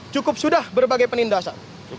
cukup sudah berbagai penindasan